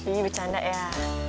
bi bercanda ya